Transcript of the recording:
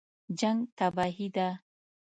جنګ تباهي ده